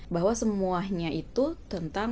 bahwa semuanya itu tentang